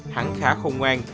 hẳn khá không ngoan